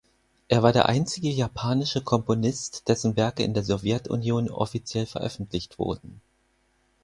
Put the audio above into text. Er war der einzige japanische Komponist, dessen Werke in der Sowjetunion offiziell veröffentlicht wurden.